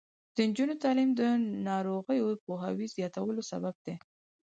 د نجونو تعلیم د ناروغیو پوهاوي زیاتولو سبب دی.